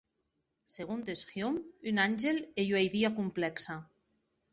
Segontes Hume, un àngel ei ua idia complèxa.